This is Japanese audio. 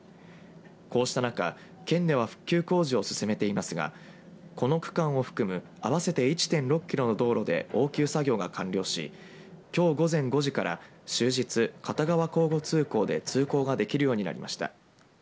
こうした中、県では復旧工事を進めていますがこの区間を含む合わせて１．６キロの道路で応急作業が完了しきょう午前５時から終日片側交互通行で通行ができるようになりました。